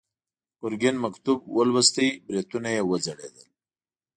ګرګين مکتوب ولوست، برېتونه يې وځړېدل.